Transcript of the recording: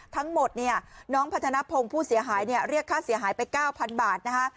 ทั้งหมดเนี่ยน้องพัฒนภงผู้เสียหายเนี่ยเรียกค่าเสียหายไป๙๐๐บาทนะคะ